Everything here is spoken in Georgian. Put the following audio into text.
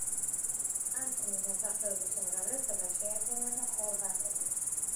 კანტონის მოსახლეობის უმრავლესობას შეადგენენ ხორვატები.